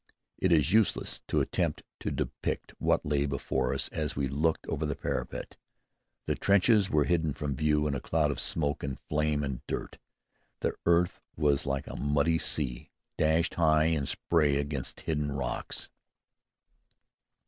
It is useless to attempt to depict what lay before us as we looked over the parapet. The trenches were hidden from view in a cloud of smoke and flame and dirt. The earth was like a muddy sea dashed high in spray against hidden rocks.